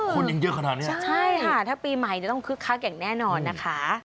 คนยังเยอะขนาดเนี้ยใช่ค่ะถ้าปีใหม่จะต้องคึกคักอย่างแน่นอนนะคะ